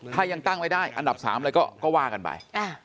ถ้ายังตั้งไม่ได้อันดับ๓อะไรก็ว่ากันไป